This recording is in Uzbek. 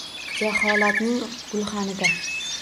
Jaholatning gulxanida